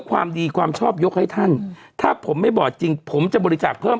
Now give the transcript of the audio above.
ความดีความชอบยกให้ท่านถ้าผมไม่บอดจริงผมจะบริจาคเพิ่ม